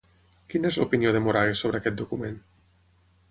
Quina és l'opinió de Moragues sobre aquest document?